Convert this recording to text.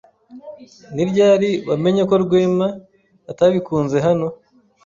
Ni ryari wamenye ko Rwema atabikunze hano?